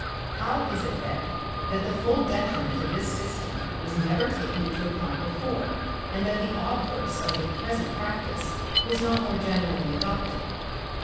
How is it, then, that the full detriment of this system was never taken into account before, and that the obverse of the present practice was not more generally adopted.